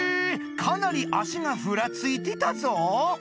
かなり足がふらついてたぞ。